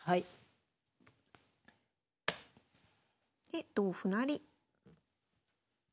で同歩成。